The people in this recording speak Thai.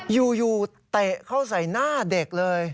อยู่เตะเข้าใส่หน้าเด็กเลย